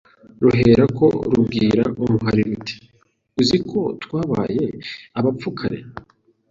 ruherako rubwira umuhari ruti uzi ko twabaye abapfu kare